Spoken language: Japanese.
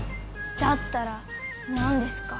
だったら何ですか？